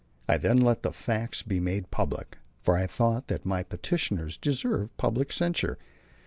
I then let the facts be made public, for I thought that my petitioners deserved public censure.